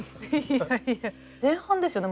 前半ですよね。